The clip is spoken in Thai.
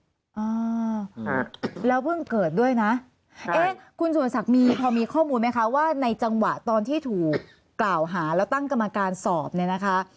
อ่าค่ะแล้วเพิ่งเกิดด้วยนะเอ๊ะคุณสุรศักดิ์มีพอมีข้อมูลไหมคะว่าในจังหวะตอนที่ถูกกล่าวหาแล้วตั้งกรรมการสอบเนี่ยนะคะ